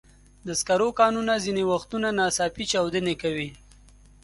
د سکرو کانونه ځینې وختونه ناڅاپي چاودنې کوي.